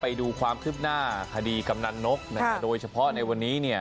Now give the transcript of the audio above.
ไปดูความคืบหน้าคดีกำนันนกนะฮะโดยเฉพาะในวันนี้เนี่ย